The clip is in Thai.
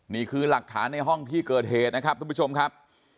นี่คือหลักฐานในห้องที่เกิดเหตุนะครับทุกผู้ชมครับ